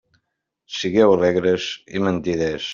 Sigueu alegres i mentiders!